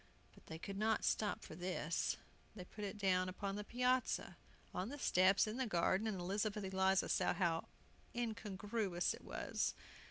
But they could not stop for this. They put it down upon the piazza, on the steps, in the garden, and Elizabeth Eliza saw how incongruous it was!